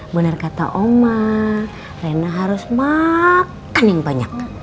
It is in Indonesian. benar kata oma rena harus makan yang banyak